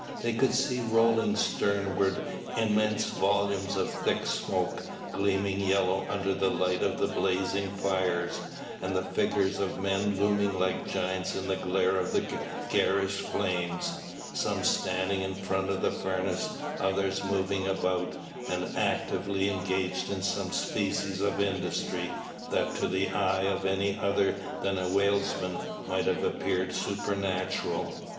They could see rolling sternward immense volumes of thick smoke, gleaming yellow under the light of the blazing fires; and the figures of men looming like giants in the glare of the garish flames, some standing in front of the furnace, others moving about, and actively engaged in some species of industry, that to the eye of any other than a whalesman might have appeared supernatural.